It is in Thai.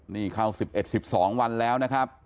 นี่เข้า๑๑๑๒วันแล้วนะครับ